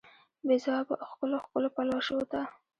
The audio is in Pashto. بې ځوابه ښکلو، ښکلو پلوشو ته